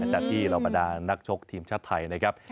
จากที่เราบรรดานักชกทีมชาติไทยนะครับ